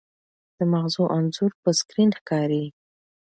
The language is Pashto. د مغزو انځور په سکرین ښکاري.